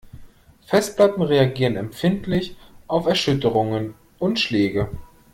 Festplatten reagieren empfindlich auf Erschütterungen und Schläge.